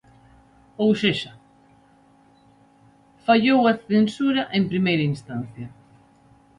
Ou sexa, fallou a censura en primeira instancia.